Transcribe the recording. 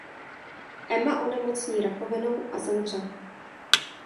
Emma onemocní rakovinou a zemře.